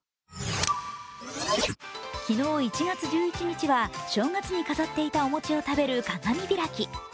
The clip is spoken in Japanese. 昨日、１月１１日は正月に飾っていたお餅を食べる鏡開き。